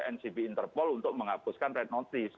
ncb interpol untuk menghapuskan red notice